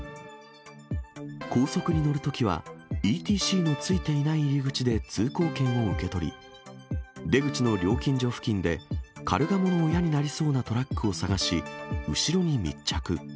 高速に乗るときは、ＥＴＣのついていない入り口で通行券を受け取り、出口の料金所付近で、カルガモの親になりそうなトラックを探し、後ろに密着。